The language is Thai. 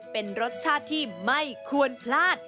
เป็นรสชาติที่ไม่ควรพลาด